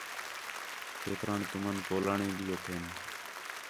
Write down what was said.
کھیتران تُمن پولاݨے بھی ہتھین